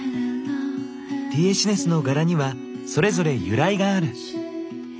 リエシネスの柄にはそれぞれ由来がある。